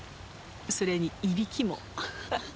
それにいびきも。